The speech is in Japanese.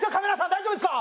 大丈夫ですか？